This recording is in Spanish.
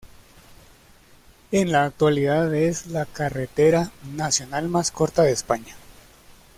En la actualidad es la carretera nacional más corta de España.